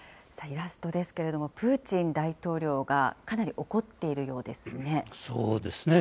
イラストですけれども、プーチン大統領がかなり怒っているようでそうですね。